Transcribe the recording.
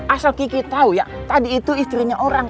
asal kiki tahu ya tadi itu istrinya orang